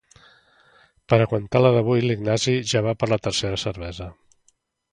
Per aguantar la d'avui l'Ignasi ja va per la tercera cervesa.